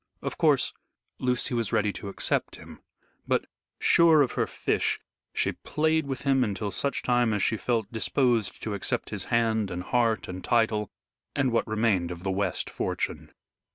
Of course, Lucy was ready to accept him, but, sure of her fish, she played with him until such time as she felt disposed to accept his hand and heart and title and what remained of the West fortune.